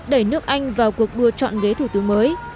đẩy nước anh vào cuộc đua chọn ghế thủ tướng mới